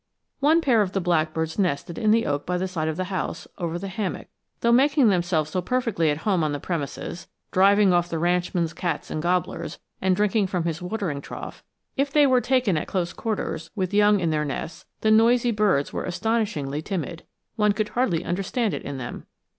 One pair of the blackbirds nested in the oak by the side of the house, over the hammock. Though making themselves so perfectly at home on the premises, driving off the ranchman's cats and gobblers, and drinking from his watering trough, if they were taken at close quarters, with young in their nests, the noisy birds were astonishingly timid. One could hardly understand it in them.